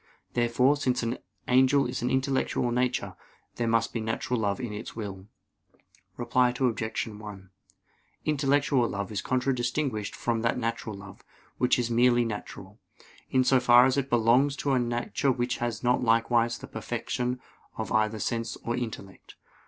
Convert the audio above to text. Therefore, since an angel is an intellectual nature, there must be a natural love in his will. Reply Obj. 1: Intellectual love is contradistinguished from that natural love, which is merely natural, in so far as it belongs to a nature which has not likewise the perfection of either sense or intellect.